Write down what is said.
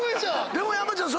でも山ちゃん